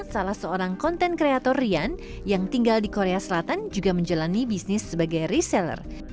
salah seorang konten kreator rian yang tinggal di korea selatan juga menjalani bisnis sebagai reseller